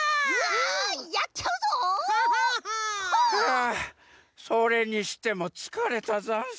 あそれにしてもつかれたざんす。